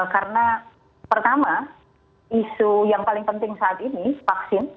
karena pertama isu yang paling penting saat ini vaksin